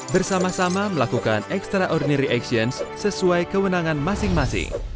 bersama sama melakukan extraordinary actions sesuai kewenangan masing masing